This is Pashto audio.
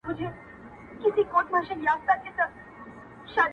زه بـه لـه غـــمـه لونـــگــين نه ســـــمــه،